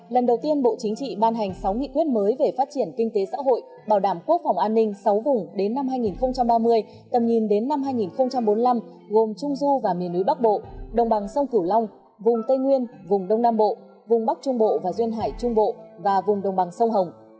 lần đầu tiên bộ chính trị ban hành sáu nghị quyết mới về phát triển kinh tế xã hội bảo đảm quốc phòng an ninh sáu vùng đến năm hai nghìn ba mươi tầm nhìn đến năm hai nghìn bốn mươi năm gồm trung du và miền núi bắc bộ đồng bằng sông cửu long vùng tây nguyên vùng đông nam bộ vùng bắc trung bộ và duyên hải trung bộ và vùng đồng bằng sông hồng